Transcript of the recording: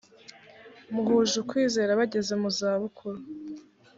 muhuje ukwizera bageze mu zabukuru